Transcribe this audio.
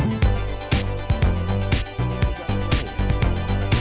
dan hanya di indonesia forward